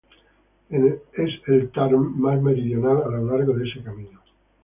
Es el tarn más meridional a lo largo de ese camino.